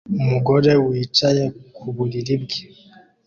Umugore wicaye ku buriri bwe